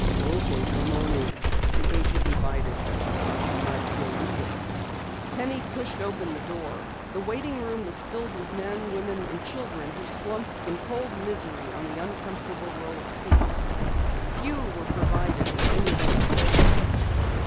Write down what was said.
"Okay, come on in," the agent invited. "Thought you might be a looter." Penny pushed open the door. The waiting room was filled with men, women and children who slumped in cold misery on the uncomfortable row of seats. Few were provided with any warm clothing.